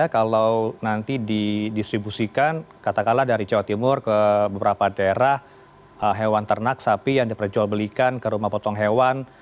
kalau nanti didistribusikan katakanlah dari jawa timur ke beberapa daerah hewan ternak sapi yang diperjualbelikan ke rumah potong hewan